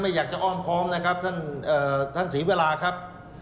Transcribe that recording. อยากจะอ้อมพร้อมนะครับท่านศรีเวลาครับ